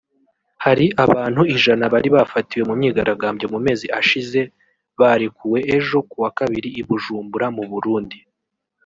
Hafi abantu ijana bari bafatiwe mu myigaragambyo mu mezi ashize barekuwe ejo kuwa kabiri i Bujumbura mu Burundi